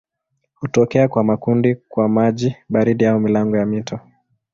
Hutokea kwa makundi kwa maji baridi au milango ya mito.